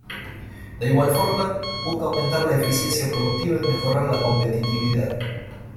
De igual forma, busca aumentar la eficiencia productiva y mejorar la competitividad.